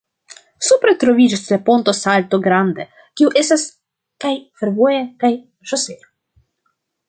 Supre troviĝas la Ponto Salto Grande, kiu estas kaj fervoja kaj ŝosea.